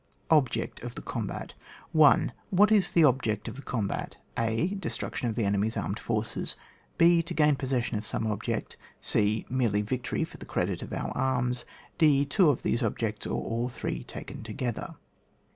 Object of the Combat. 1. What is the object of the combat ? a. DeBtnictioii of the enemy's armed forces. h. To gain possession of some ob ject c. Merely victory for the credit of our arms. d. Two of these objects, or aU three taken together.